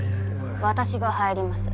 私が入ります